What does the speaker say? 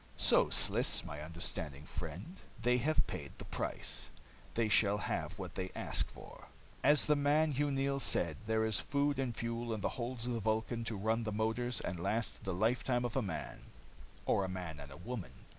"So, Sliss, my understanding friend, they have paid the price, they shall have what they ask for. "As the man, Hugh Neils, said, there is fuel and food in the holds of the Vulcan to run the motors and last the lifetime of a man or a man and a woman.